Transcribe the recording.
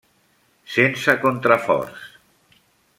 Sense contraforts.